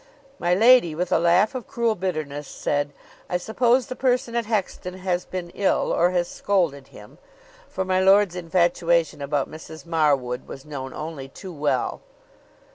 My lady, with a laugh of cruel bitterness said, "I suppose the person at Hexton has been ill, or has scolded him" (for my lord's infatuation about Mrs. Marwood was known only too well).